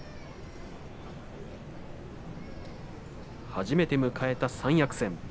初めて迎えた三役戦。